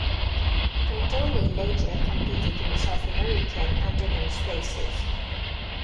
Cantoni later competed in South American endurance races.